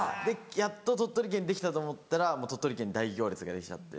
やっと鳥取県にできたと思ったら鳥取県に大行列ができちゃって。